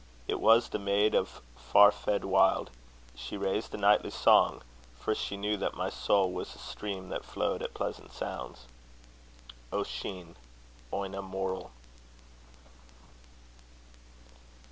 It was the maid of Fuarfed wild: she raised the nightly song; for she knew that my soul was a stream, that flowed at pleasant sounds. Ossian. Oina Morul.